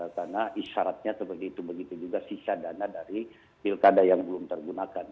karena isyaratnya seperti itu begitu juga sisa dana dari pilkada yang belum tergunakan